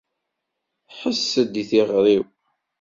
Ḥess-d i tiɣri-w!